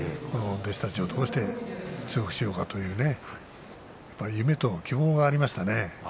弟子たちをどうして強くしていこうかと夢と希望がありましたね。